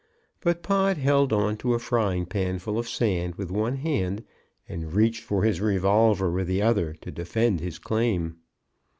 But Pod held on to a frying pan full of sand with one hand, and reached for his revolver with the other to defend his claim.